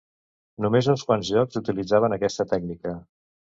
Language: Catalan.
Només uns quants jocs utilitzaven aquesta tècnica.